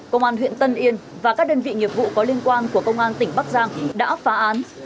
công an huyện tân yên và các đơn vị nghiệp vụ có liên quan của công an tỉnh bắc giang đã phá án